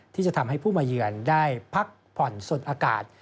ที่จะทำให้ผู้มาเยือนได้พักผ่อนสดอากาศ